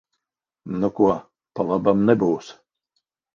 Nu ko, pa labam nebūs.